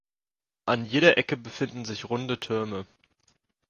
An jeder Ecke befinden sich runde Türme.